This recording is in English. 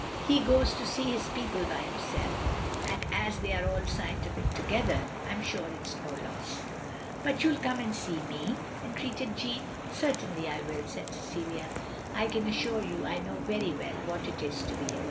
He goes to see his people by himself, and as they are all scientific together, I 'm sure it 's no loss. " "But you'll come and see nt^," entreated Jeanne. " Certainly I will, " said Cecilia. " I can assure you I know very well what it is to be alone.